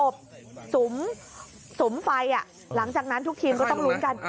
สุมไฟหลังจากนั้นทุกทีมก็ต้องลุ้นกัน